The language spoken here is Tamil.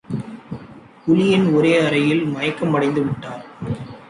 புலியின் ஒரே அறையில் மயக்கமடைந்து விட்டார்.